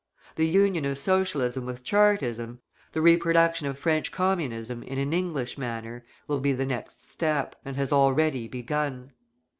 The union of Socialism with Chartism, the reproduction of French Communism in an English manner, will be the next step, and has already begun.